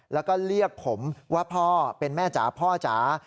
แล้วก็เรียกผมว่าพ่อเป็นแม่จ๋าพ่อจ๋า